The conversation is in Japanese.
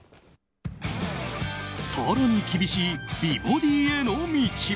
更に厳しい美ボディーへの道。